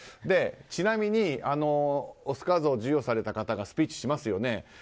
ちなみにオスカー像を授与された方がスピーチしますよね。